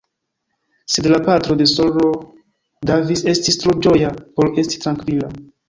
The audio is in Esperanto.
Sed la patro de S-ro Davis estis tro ĝoja por esti trankvila.